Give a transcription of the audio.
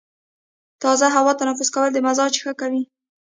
تازه هوا تنفس کول د مزاج ښه کوي.